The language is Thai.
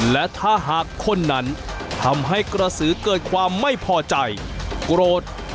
และถ้าหากคนนั้นทำให้กระสือเกิดความไม่พอใจโกรธ